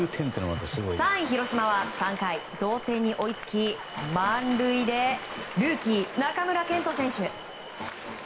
３位、広島は３回同点に追いつき満塁でルーキー、中村健人選手。